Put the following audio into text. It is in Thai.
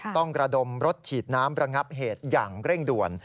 กระดมรถฉีดน้ำระงับเหตุอย่างเร่งด่วน